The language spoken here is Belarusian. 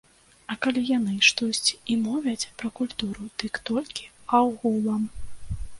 А калі яны штосьці і мовяць пра культуру, дык толькі агулам.